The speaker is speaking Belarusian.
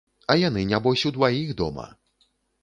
А яны нябось удваіх дома.